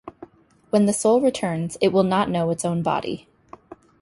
When the soul returns, it will not know its own body.